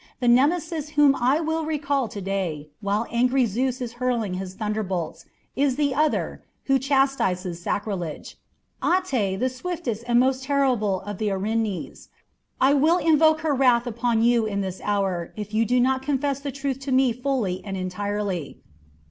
The Nemesis whom I will recall to day, while angry Zeus is hurling his thunderbolts, is the other, who chastises sacrilege Ate, the swiftest and most terrible of the Erinyes. I will invoke her wrath upon you in this hour if you do not confess the truth to me fully and entirely."